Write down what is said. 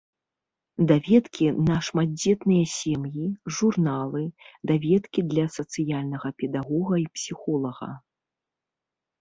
Даведкі на шматдзетныя сем'і, журналы, даведкі для сацыяльнага педагога і псіхолага.